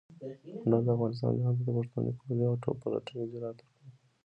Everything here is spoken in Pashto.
هنر د انسان ذهن ته د پوښتنې کولو او پلټنې جرات ورکوي.